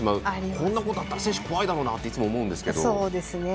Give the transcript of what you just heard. こんなことがあったら選手怖いだろうなと思うんですけど。